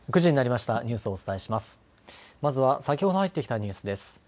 まずは先ほど入ってきたニュースです。